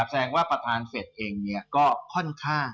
แสดงว่าประธานเฟ็ดเองเนี่ยก็ค่อนข้าง